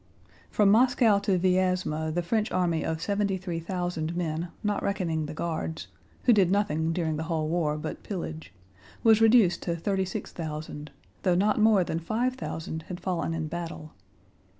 From Moscow to Vyázma the French army of seventy three thousand men not reckoning the Guards (who did nothing during the whole war but pillage) was reduced to thirty six thousand, though not more than five thousand had fallen in battle.